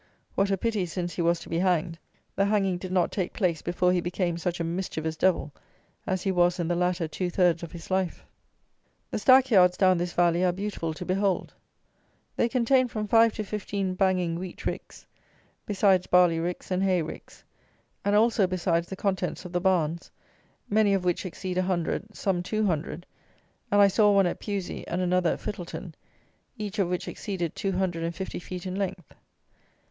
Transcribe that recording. What a pity, since he was to be hanged, the hanging did not take place before he became such a mischievous devil as he was in the latter two thirds of his life! The stack yards down this valley are beautiful to behold. They contain from five to fifteen banging wheat ricks, besides barley ricks, and hay ricks, and also besides the contents of the barns, many of which exceed a hundred, some two hundred, and I saw one at Pewsey, and another at Fittleton, each of which exceeded two hundred and fifty feet in length.